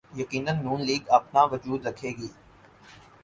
یقینا نون لیگ اپنا وجود رکھے گی۔